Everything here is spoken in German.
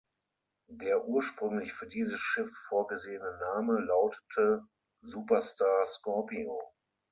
Der ursprünglich für dieses Schiff vorgesehene Name lautete "Superstar Scorpio".